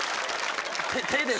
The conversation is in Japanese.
手です。